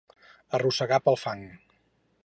Arrossegar pel fang.